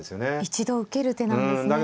一度受ける手なんですね。